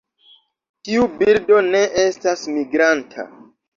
Tiu birdo ne estas migranta.